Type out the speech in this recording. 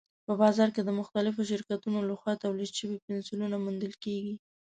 په بازار کې د مختلفو شرکتونو لخوا تولید شوي پنسلونه موندل کېږي.